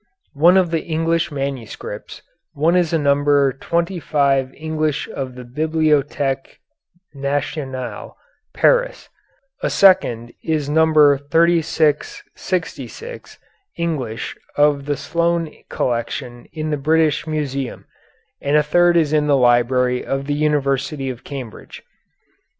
Of the English manuscripts, one is number twenty five English of the Bibliothèque Nationale, Paris; a second is number 3666 English of the Sloane collection in the British Museum, and a third is in the Library of the University of Cambridge.